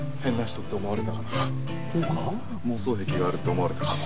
妄想癖があるって思われたかも。